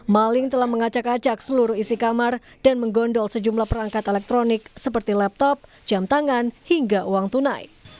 maling telah mengacak acak seluruh isi kamar dan menggondol sejumlah perangkat elektronik seperti laptop jam tangan hingga uang tunai